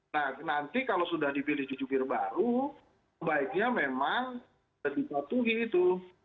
nah nanti kalau sudah dipilih jubir baru baiknya memang jadi satu gitu